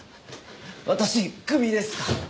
私クビですか？